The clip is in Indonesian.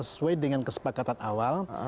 sesuai dengan kesepakatan awal